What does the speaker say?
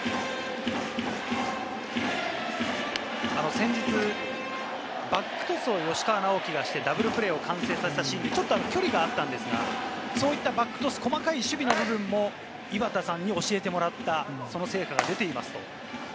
先日、バックトスを吉川尚輝がしてダブルプレーを完成させたシーン、ちょっと距離があったんですが、そういったバックトス、守備の細かい部分も井端さんに教えてもらった、その成果が出ています。